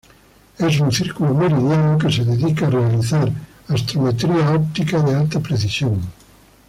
Es un círculo meridiano que se dedica a realizar astrometría óptica de alta precisión.